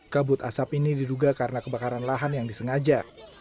kabut asap ini diduga karena kebakaran lahan yang disengaja